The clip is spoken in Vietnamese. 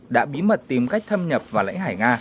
đã bí mật tìm cách thâm nhập vào lãnh hải nga